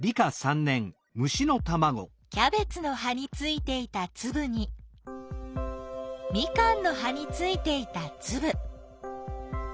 キャベツの葉についていたつぶにミカンの葉についていたつぶ。